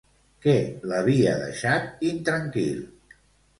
Què l'havia deixat intranquil?